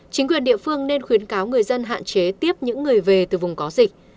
chính quyền địa phương nên khuyến cáo người dân hạn chế tiếp những người về từ vùng có dịch